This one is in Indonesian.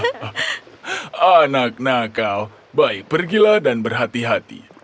anak nakal baik pergilah dan berhati hati